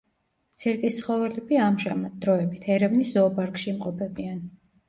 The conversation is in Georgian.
ცირკის ცხოველები, ამჟამად, დროებით, ერევნის ზოოპარკში იმყოფებიან.